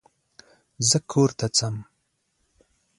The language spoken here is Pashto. زه کور ته ځم.